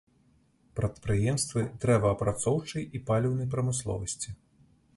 Прадпрыемствы дрэваапрацоўчай і паліўнай прамысловасці.